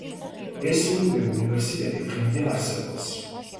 ეს ორივე უნივერსიტეტი დღემდე არსებობს.